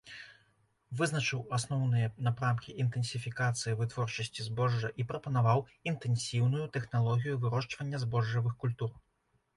Вызначыў асноўныя напрамкі інтэнсіфікацыі вытворчасці збожжа і прапанаваў інтэнсіўную тэхналогію вырошчвання збожжавых культур.